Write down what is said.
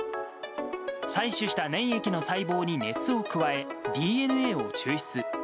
採取した粘液の細胞に熱を加え、ＤＮＡを抽出。